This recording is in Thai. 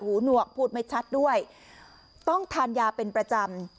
หนวกพูดไม่ชัดด้วยต้องทานยาเป็นประจำ